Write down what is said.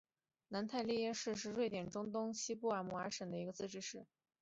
南泰利耶市是瑞典中东部斯德哥尔摩省的一个自治市。